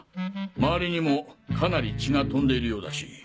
まわりにもかなり血が飛んでいるようだし。